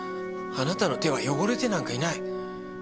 あなたの手は汚れてなんかいない。